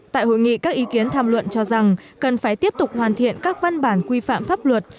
tại hội nghị các ý kiến tham luận cho rằng cần phải tiếp tục hoàn thiện các văn bản quy phạm pháp luật